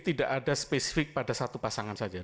tidak ada spesifik pada satu pasangan saja